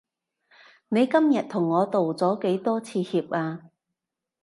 你今日同我道咗幾多次歉啊？